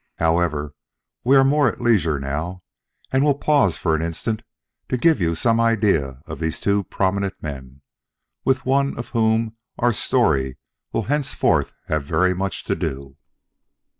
However, we are more at leisure now, and will pause for an instant to give you some idea of these two prominent men, with one of whom our story will henceforth have very much to do.